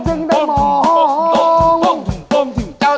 จับข้าว